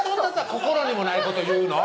心にもない事言うの？